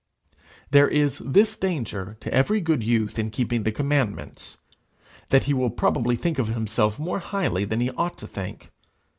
There is this danger to every good youth in keeping the commandments, that he will probably think of himself more highly than he ought to think.